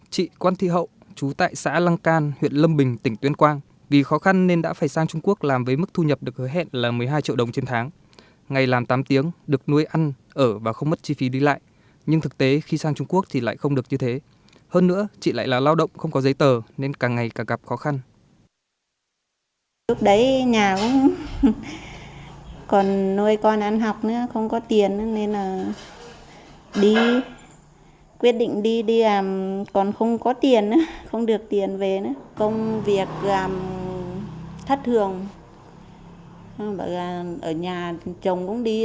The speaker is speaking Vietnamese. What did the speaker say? chị quan thi hậu trú tại xã lăng can huyện lâm bình tỉnh tuyên quang vì khó khăn nên đã phải sang trung quốc làm với mức thu nhập được hứa hẹn là một mươi hai triệu đồng trên tháng ngày làm tám tiếng được nuôi ăn ở và không mất chi phí đi lại nhưng thực tế khi sang trung quốc thì lại không được như thế hơn nữa chị lại là lao động không có giấy tờ nên càng ngày càng gặp khó khăn